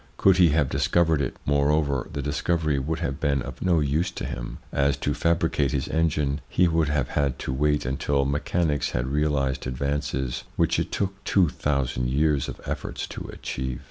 Could he have discovered it, moreover, the discovery would have been of no use to him, as, to fabricate his engine, he would have had to wait until mechanics had realised advances which it took two thousand years of efforts to achieve.